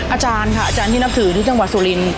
อาจารย์ค่ะอาจารย์ที่นับถือที่จังหวัดสุรินทร์